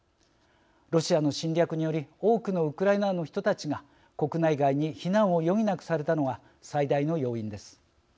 ロシアの侵略により多くのウクライナの人たちが国内外に避難を余儀なくされたのが最大の要因です。